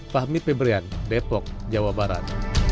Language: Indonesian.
fahmi febrian depok jawa barat